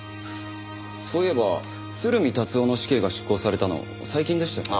そういえば鶴見達男の死刑が執行されたの最近でしたよね。